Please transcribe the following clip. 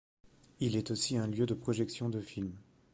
Il est aussi un lieu de projection de films.